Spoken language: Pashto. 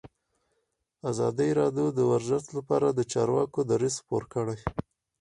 ازادي راډیو د ورزش لپاره د چارواکو دریځ خپور کړی.